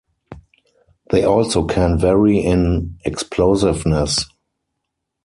They also can vary in explosiveness.